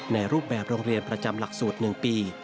ในรูปแบบโรงเรียนประจำหลักสูตร๑ปี